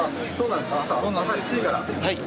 はい。